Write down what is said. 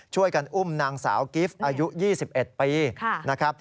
ช่วยกันอุ้มนางสาวกิฟต์อายุ๒๑ปีนะครับ